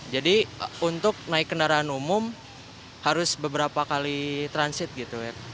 jadi untuk naik kendaraan umum harus beberapa kali transit gitu ya